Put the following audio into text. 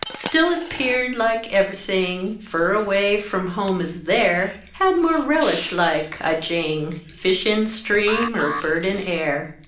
Still it peared like ever'thing Fur away from home as there Had more relish like, i jing! Fish in stream, er bird in air!